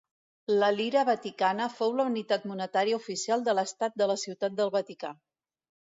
La lira vaticana fou la unitat monetària oficial de l'estat de la Ciutat del Vaticà.